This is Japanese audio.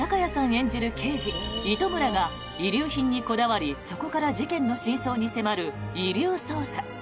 演じる刑事糸村が遺留品にこだわりそこから事件の真相に迫る「遺留捜査」。